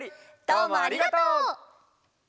どうもありがとう！